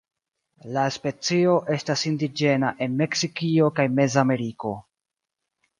La specio estas indiĝena en Meksikio kaj Mezameriko.